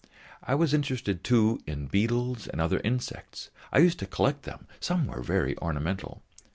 I was interested, too, in beetles and other insects; I used to collect them, some were very ornamental.